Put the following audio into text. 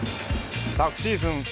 昨シーズン